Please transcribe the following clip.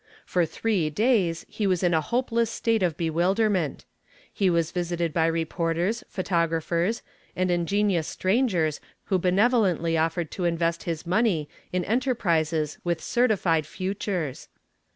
For three days he was in a hopeless state of bewilderment. He was visited by reporters, photographers, and ingenious strangers who benevolently offered to invest his money in enterprises with certified futures.